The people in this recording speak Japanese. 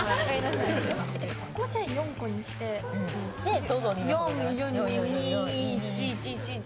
ここをじゃあ４個にして４４４４２２２１１１１。